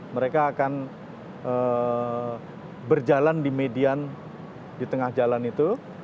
mereka akan berjalan di median di tengah jalan itu